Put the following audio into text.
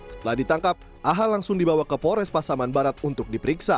setelah ditangkap aha langsung dibawa ke pores pasaman barat untuk diperiksa